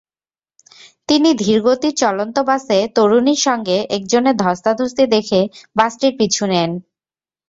তিনি ধীরগতির চলন্ত বাসে তরুণীর সঙ্গে একজনের ধস্তাধস্তি দেখে বাসটির পিছু নেন।